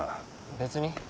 別に。